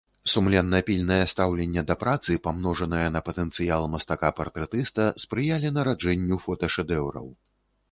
Сумленна-пільнае стаўленне да працы, памножанае на патэнцыял мастака-партрэціста спрыялі нараджэнню фоташэдэўраў.